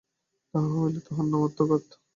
তাহা হইলে তাহার নাম আত্মঘাত।